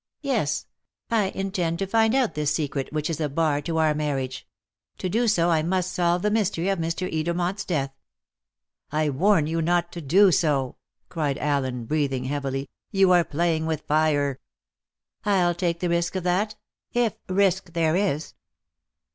"Yes; I intend to find out this secret which is a bar to our marriage. To do so I must solve the mystery of Mr. Edermont's death." "I warn you not to do so;" cried Allen, breathing heavily; "you are playing with fire!" "I'll take the risk of that if risk there is.